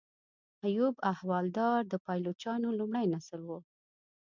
ایوب احوالدار د پایلوچانو لومړی نسل و.